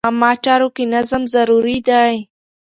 عامه چارو کې نظم ضروري دی.